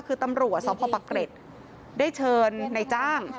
คือตำรวจสพปะเกร็ดได้เชิญในจ้าง